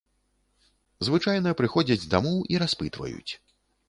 Звычайна прыходзяць дамоў і распытваюць.